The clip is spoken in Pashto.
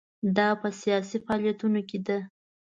دا په سیاسي فعالیتونو کې ده.